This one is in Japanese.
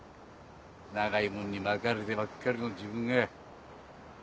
長い物に巻かれてばっかりの自分が。